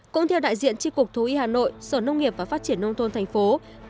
cũng theo đại diện tri cục thú y hà nội sở nông nghiệp và phát triển nông thôn thành phố